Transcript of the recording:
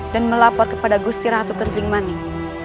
dan melapor kepada gusti ratu kentling maning